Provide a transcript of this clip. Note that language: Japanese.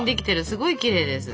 すごいきれいです。